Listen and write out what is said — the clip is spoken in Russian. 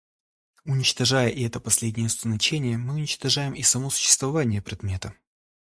Уничтожая и это последнее значение, мы уничтожаем и само существование предмета.